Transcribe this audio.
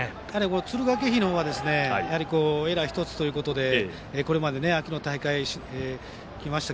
敦賀気比の方はエラー１つということでこれまで秋の大会きました